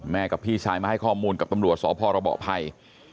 แม่กับพี่ชายมาให้ข้อมูลกับตำรวจศพระบอไพร